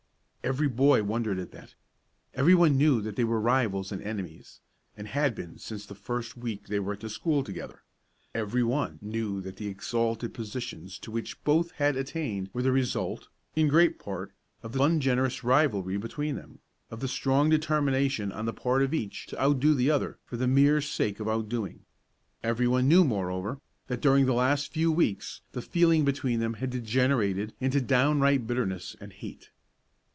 Every boy wondered at that; every one knew that they were rivals and enemies, and had been since the first week they were at the school together; every one knew that the exalted positions to which both had attained were the result, in great part, of the ungenerous rivalry between them, of the strong determination on the part of each to outdo the other for the mere sake of outdoing; every one knew moreover, that during the last few weeks the feeling between them had degenerated into downright bitterness and hate.